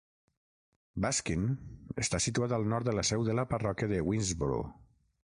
Baskin està situat al nord de la seu de la parròquia de Winnsboro.